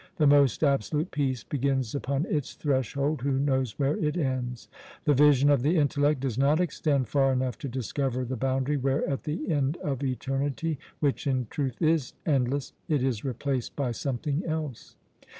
The most absolute peace begins upon its threshold who knows where it ends? The vision of the intellect does not extend far enough to discover the boundary where, at the end of eternity which in truth is endless it is replaced by something else."